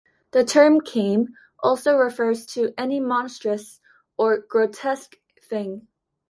The term came also refers to any monstrous or grotesque thing.